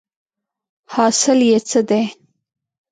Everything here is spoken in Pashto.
حاصل یې څه دی ؟